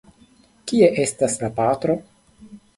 Kie estas la patro?